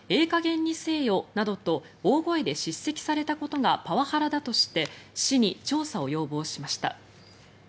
加減にせえよなどと大声で叱責されたことがパワハラだとして市に調査を要望しました。